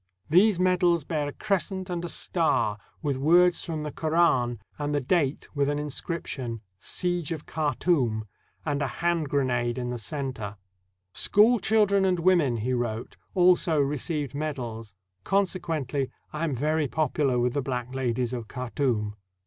These medals bear a crescent and a star, with words from the Koran, and the date, with an inscription, — "Siege of Khartoum," — and a hand grenade in the center. "School children and wo men," he wrote, "also received medals; consequently, I am very popular with the black ladies of Khartoum."